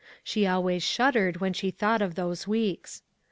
She always shuddered when she thought of those weeks.